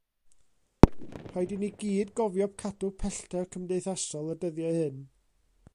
Rhaid i ni gyd gofio cadw pellter cymdeithasol y dyddiau hyn.